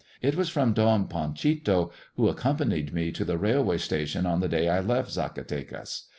It was from Don Panchito, who accompanied me to the railway station on the day I left Zacatecas.